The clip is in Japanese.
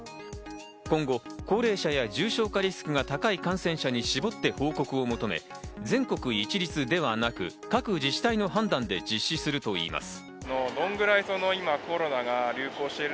今後、高齢者や重症化リスクが高い感染者に絞って報告を求め、全国一律ではなく、各自治体の判断で実施するといいます。